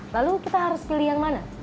lalu kita harus beli yang mana